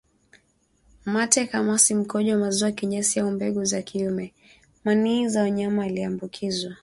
mate kamasi mkojo maziwa kinyesi au mbegu za kiume manii za mnyama aliyeambukizwa